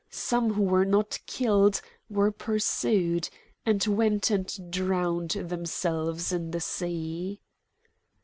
Some who were not killed were pursued, and went and drowned themselves in the sea.